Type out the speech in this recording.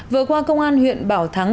vừa qua công an huyện bảo thắng